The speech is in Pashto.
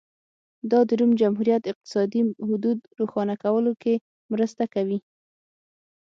دا د روم جمهوریت اقتصادي حدود روښانه کولو کې مرسته کوي